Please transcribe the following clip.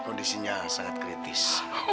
kondisinya sangat kritis